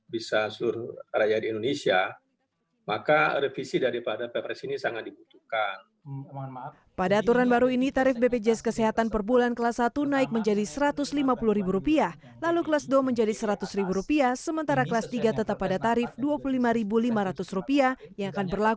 bisa selalu berkembang